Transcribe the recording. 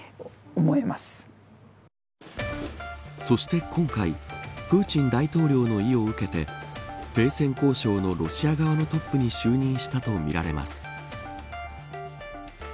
そして今回プーチン大統領の意を受けて停戦交渉のロシア側のトップに就任したとみられます。